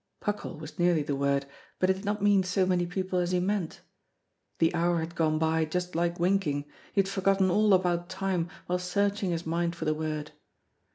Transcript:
Puckle was nearly the word, but it did not mean so many people as he meant. The hour had gone by just like winking; he had forgotten all about time while searching his mind for the word.